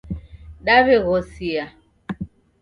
Daw'eghosia